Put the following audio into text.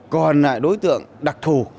còn lại đối tượng đặc thù